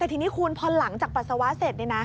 แต่ทีนี้คุณพอหลังจากปัสสาวะเสร็จ